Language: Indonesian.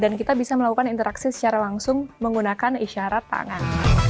dan kita bisa melakukan interaksi secara langsung menggunakan isyarat tangan